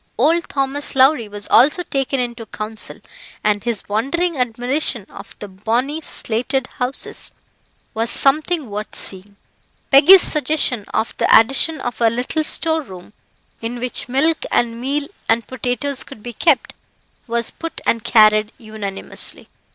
Old Thomas Lowrie was also taken into council, and his wondering admiration of the bonny slated houses was something worth seeing. Peggy's suggestion of the addition of a little storeroom, in which milk and meal and potatoes could be kept, was put and carried unanimously.